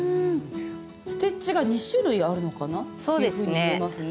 ステッチが２種類あるのかな？というふうに見えますね。